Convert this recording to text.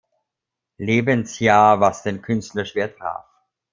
Lebensjahr, was den Künstler schwer traf.